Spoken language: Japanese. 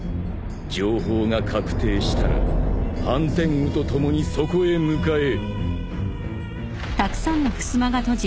情報が確定したら半天狗と共にそこへ向かえ。